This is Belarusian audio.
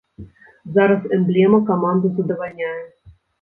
Зараз эмблема каманду задавальняе.